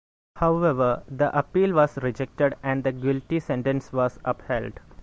However, the appeal was rejected and the guilty sentence was upheld.